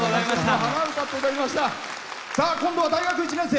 今度は大学１年生！